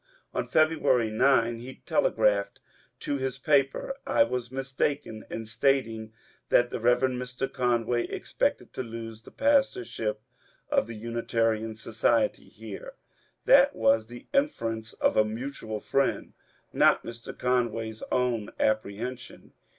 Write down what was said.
On February 9 he telegraphed to his paper :^^ I was mistaken in stating that the Bev. Mr. Conway expected to lose the pastorship of the Unitarian Society here. That was the inference of a mutual friend, not Mr. Conway's own apprehension.